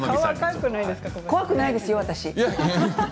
怖くないですよ、私。